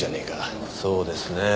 そうですね。